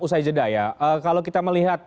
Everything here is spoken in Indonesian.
usai jeda ya kalau kita melihat